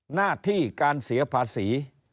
หน้าที่การเสียภาษี